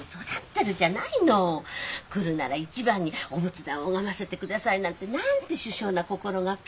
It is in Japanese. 来るなり一番にお仏壇を拝ませてくださいなんてなんて殊勝な心がけ？